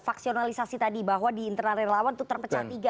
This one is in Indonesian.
faksionalisasi tadi bahwa di internal relawan itu terpecah tiga